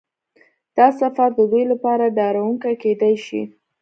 دا سفر د دوی لپاره ډارونکی کیدای شي